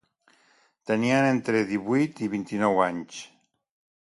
Tenien entre divuit i vint-i-nou anys.